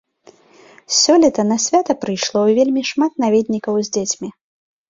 Сёлета на свята прыйшло вельмі шмат наведнікаў з дзецьмі.